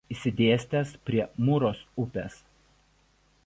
Išsidėstęs prie Muros upės.